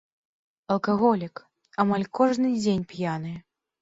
Алкаголік, амаль кожны дзень п'яны.